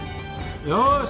よし！